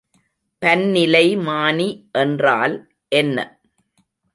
பன்னிலைமானி என்றால் என்ன?